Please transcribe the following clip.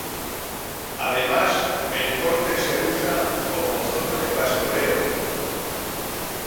Además, el corte se usa como zona de pastoreo.